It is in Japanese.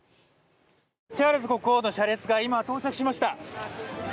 チャールズ国王の車列が今、到着しました。